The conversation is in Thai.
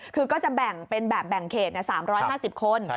คือก็จะแบ่งเป็นแบบแบ่งเขต๓๕๐คน